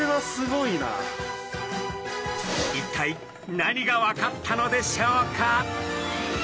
一体何が分かったのでしょうか？